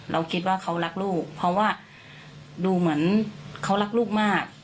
เราคิดว่าเขารักลูกเพราะว่าดูเหมือนเขารักลูกมาก